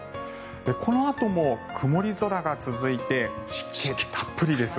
このあとも曇り空が続いて湿気たっぷりです。